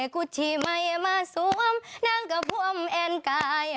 กุธิไม่มาสวมนางกะพวมแอนกาย